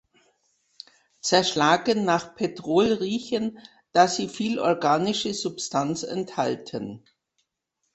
Zerschlagen nach Petrol riechen, da sie viel organische Substanz enthalten.